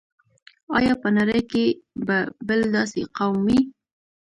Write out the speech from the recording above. آیا په نړۍ کې به بل داسې قوم وي.